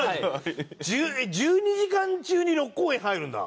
１２時間中に６公演入るんだ。